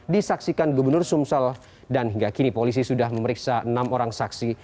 disaksikan gubernur sumsel dan hingga kini polisi sudah memeriksa enam orang saksi